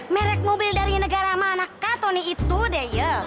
merek mobil dari negara manakah tony itu deh ye